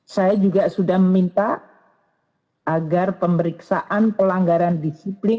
saya juga sudah meminta agar pemeriksaan pelanggaran disiplin